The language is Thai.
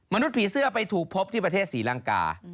ผีเสื้อไปถูกพบที่ประเทศศรีลังกา